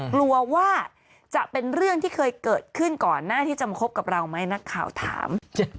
กลัวว่าจะเป็นเรื่องที่เคยเกิดขึ้นก่อนหน้าที่จะมาคบกับเราไหมนักข่าวถาม